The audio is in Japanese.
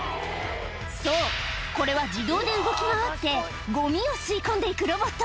そう、これは自動で動き回って、ごみを吸い込んでいくロボット。